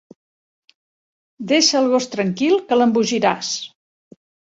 Deixa el gos tranquil, que l'embogiràs!